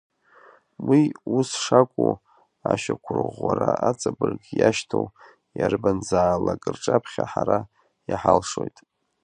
Уи ус шакәу ашьақәырӷәӷәара аҵабырг иашьҭоу иарбанзаалак рҿаԥхьа ҳара иҳалшоит.